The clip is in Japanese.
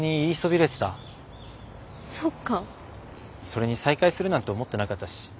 それに再会するなんて思ってなかったし。